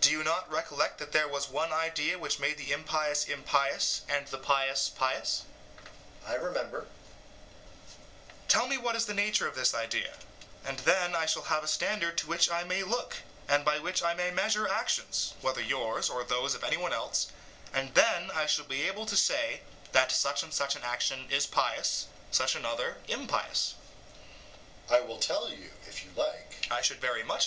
Do you not recollect that there was one idea which made the impious impious, and the pious pious? EUTHYPHRO: I remember. SOCRATES: Tell me what is the nature of this idea, and then I shall have a standard to which I may look, and by which I may measure actions, whether yours or those of any one else, and then I shall be able to say that such and such an action is pious, such another impious. EUTHYPHRO: I will tell you, if you like. SOCRATES: I should very much like.